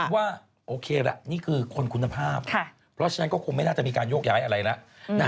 ว่าโอเคละนี่คือคนคุณภาพเพราะฉะนั้นก็คงไม่น่าจะมีการโยกย้ายอะไรแล้ว